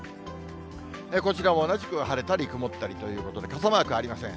こちらも同じく晴れたり曇ったりということで、傘マークありません。